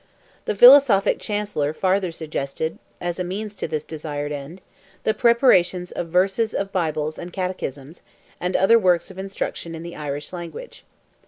The philosophic Chancellor farther suggested, as a means to this desired end, the preparation of "versions of Bibles and Catechisms, and other works of instruction in the Irish language."